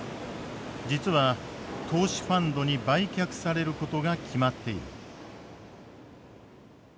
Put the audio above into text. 実は投資ファンドに売却されることが決まっている。